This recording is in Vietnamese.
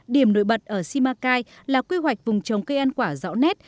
điểm nổi bật ở simacai là quy hoạch vùng trồng cây ăn quả rõ nét